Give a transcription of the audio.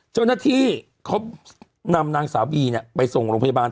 เธอนักที่คือนำนางศาวบีเนี่ยไปส่งหลงพยาบาล